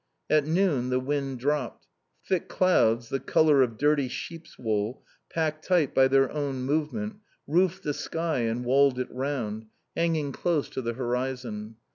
At noon the wind dropped. Thick clouds, the colour of dirty sheep's wool, packed tight by their own movement, roofed the sky and walled it round, hanging close to the horizon.